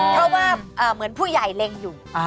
เพราะว่าเหมือนผู้ใหญ่เล็งอยู่